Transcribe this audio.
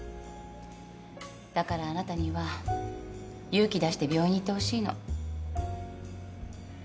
だからあなたには勇気出して病院に行ってほしいの。